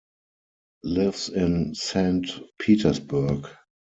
Lives in Saint Petersburg.